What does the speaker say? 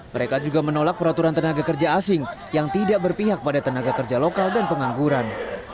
mereka juga menolak peraturan tenaga kerja asing yang tidak berpihak pada tenaga kerja lokal dan pengangguran